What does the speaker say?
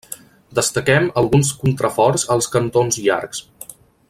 Destaquem alguns contraforts als cantons llargs.